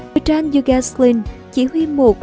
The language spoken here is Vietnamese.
bertrand dugasclin chỉ huy một quân pháp